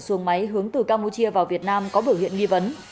xuồng máy hướng từ campuchia vào việt nam có biểu hiện nghi vấn